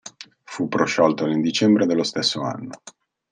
Fu prosciolto nel dicembre dello stesso anno.